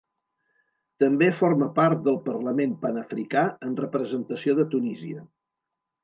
També forma part del Parlament pan-africà en representació de Tunísia.